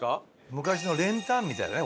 昔の練炭みたいだね